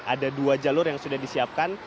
ada dua jalur yang sudah disiapkan